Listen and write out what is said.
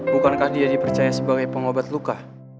bukankah dia dipercaya sebagai pengobat luka